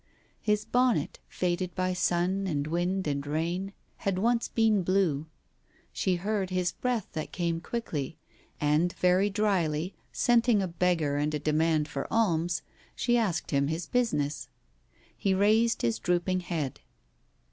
... His bonnet, faded by sun and wind and rain, had once been blue. She heard his breath that came quickly, and, very drily, scenting a beggar and a demand for alms, she asked him his business. He raised his drooping head.